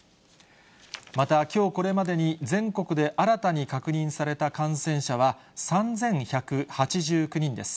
また、きょうこれまでに、全国で新たに確認された感染者は、３１８９人です。